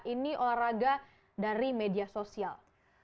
ini olahraga dari media sosial